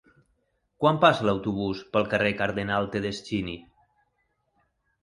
Quan passa l'autobús pel carrer Cardenal Tedeschini?